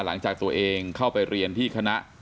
หลังจากตัวเองเข้าไปเรียนที่คณะ